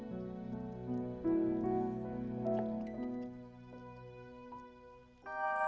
nih gimana orang kubasa semua